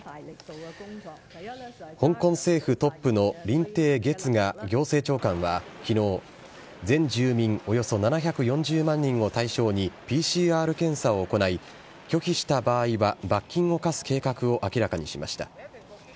香港政府トップの林鄭月娥行政長官はきのう、全住民およそ７４０万人を対象にＰＣＲ検査を行い、拒否した場合は罰金を科す計画を明らかにしました。